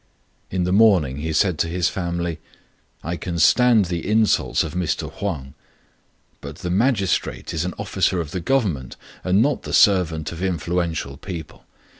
In the morning he said to his family, "I can stand the insults of Mr. Huang ; but the magistrate is an officer of the Govern ment, and not the servant of influential people.